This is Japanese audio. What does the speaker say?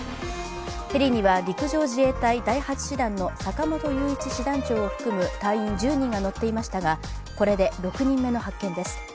ヘリには陸上自衛隊第８師団の坂本雄一師団長を含む隊員１０人が乗っていましたが、これで６人目の発見です。